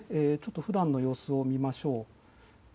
ふだんの様子を見ましょう。